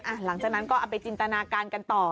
หลังจากนั้นก็เอาไปจินตนาการกันต่อ